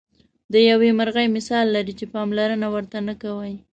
د یوې مرغۍ مثال لري چې پاملرنه ورته نه کوئ.